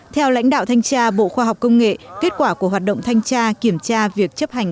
theo lãnh đạo thanh tra bộ khoa học công nghệ kết quả của hoạt động thanh tra kiểm tra việc chấp hành